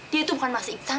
dia itu bukan mas iktan